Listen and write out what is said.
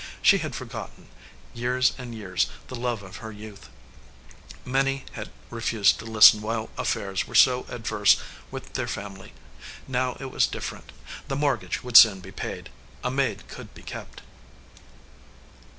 She had forgotten, years and years, the love of her youth. Minnie had refused to listen while affairs were so adverse with their family. Now it was different. The mortgage would soon be paid. A maid could be kept.